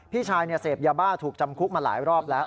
พี่ชายเสพยาบ้าถูกจำคุกมาหลายรอบแล้ว